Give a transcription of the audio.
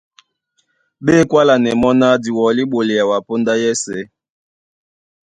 Ɓé kwálánɛ́ mɔ́ ná:Di wɔlí ɓolea wǎ póndá yɛ́sɛ̄.